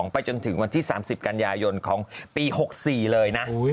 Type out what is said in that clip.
ไปจนถึงวันที่๓๐กันยายนของปี๖๔เลยนะ